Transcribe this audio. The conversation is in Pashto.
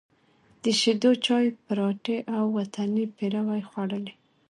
د شېدو چای، پراټې او وطني پېروی خوړلی،